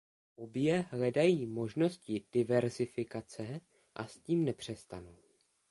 Obě hledají možnosti diverzifikace a s tím nepřestanou.